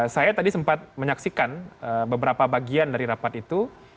saya tadi sempat menyaksikan beberapa bagian dari rapat itu